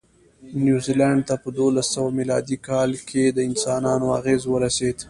نیوزیلند ته په دوولسسوه مېلادي کې د انسانانو اغېز ورسېد.